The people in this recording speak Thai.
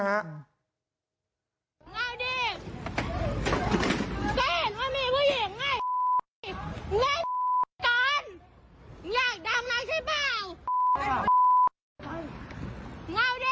ง้าวดิ